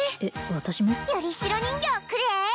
私も？よりしろ人形くれい！